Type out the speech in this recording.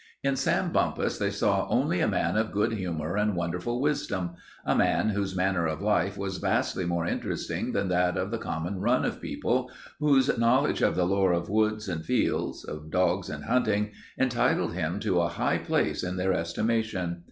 In Sam Bumpus they saw only a man of good humor and wonderful wisdom, a man whose manner of life was vastly more interesting than that of the common run of people, whose knowledge of the lore of woods and fields, of dogs and hunting, entitled him to a high place in their estimation.